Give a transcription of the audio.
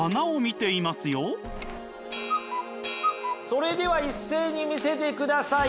それでは一斉に見せてください。